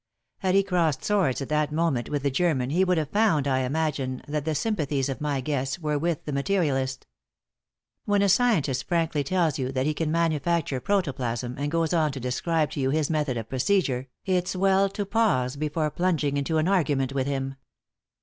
Had he crossed swords at that moment with the German he would have found, I imagine, that the sympathies of my guests were with the materialist. When a scientist frankly tells you that he can manufacture protoplasm, and goes on to describe to you his method of procedure, it's well to pause before plunging into an argument with him.